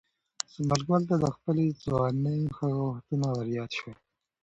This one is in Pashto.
ثمرګل ته د خپلې ځوانۍ هغه وختونه وریاد شول.